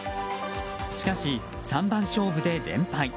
しかし３番勝負で連敗。